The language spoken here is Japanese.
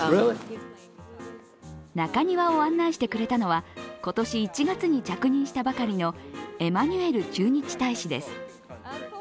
中庭を案内してくれたのは今年１月に着任したばかりのエマニュエル駐日大使です。